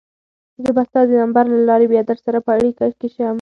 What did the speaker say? زه به ستا د نمبر له لارې بیا درسره په اړیکه کې شم.